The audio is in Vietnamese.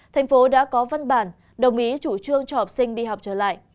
thành phố đã có văn bản đồng ý chủ trương cho học sinh đi học trở lại